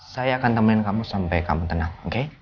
saya akan temenin kamu sampai kamu tenang